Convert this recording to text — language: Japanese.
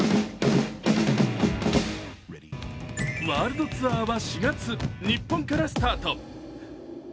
ワールドツアーは４月、日本からスタート。